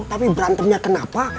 tapi merantemnya kenapa